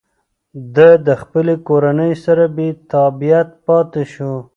ده د خپلې کورنۍ سره بېتابعیت پاتې شو.